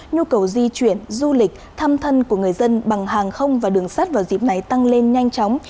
nhu cầu di chuyển du lịch thăm thân của người dân bằng hàng không và đường sắt vào dịp này tăng lên nhanh chóng